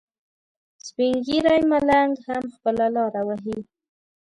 سپین ږیری ملنګ هم خپله لاره وهي.